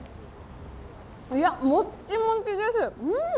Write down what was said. いや、もっちもちです。